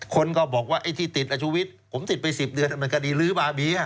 คนก็บอกว่าไอ้ที่ติดอาชุวิตผมติดไป๑๐เดือนมันคดีลื้อบาเบีย